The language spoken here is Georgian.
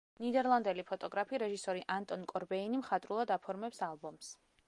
ნიდერლანდელი ფოტოგრაფი, რეჟისორი ანტონ კორბეინი მხატვრულად აფორმებს ალბომს.